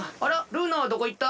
ルーナはどこいった？